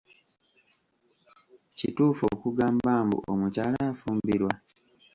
Kituufu okugamba mbu omukyala afumbirwa?